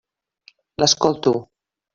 L'escolto.